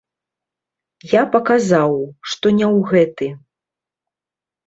Я паказаў, што не ў гэты.